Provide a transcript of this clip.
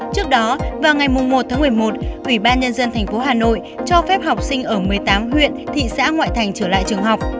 trước đó vào ngày một một mươi một ủy ban nhân dân tp hà nội cho phép học sinh ở một mươi tám huyện thị xã ngoại thành trở lại trường học